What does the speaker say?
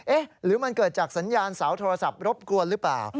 หรือมันเกิดจากสัญญาณเสาโทรศัพท์รบกวนหรือเปล่า